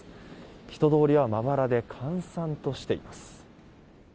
人通りはまばらで閑散としています。